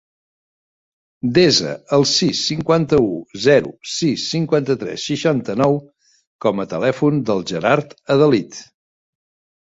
Desa el sis, cinquanta-u, zero, sis, cinquanta-tres, seixanta-nou com a telèfon del Gerard Adalid.